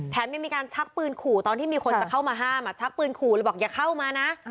ยังมีการชักปืนขู่ตอนที่มีคนจะเข้ามาห้ามชักปืนขู่เลยบอกอย่าเข้ามานะ